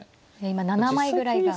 今７枚ぐらいが。